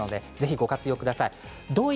ご活用ください。